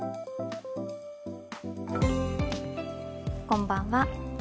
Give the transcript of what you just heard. こんばんは。